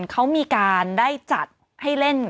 เขามีการได้จัดให้เล่น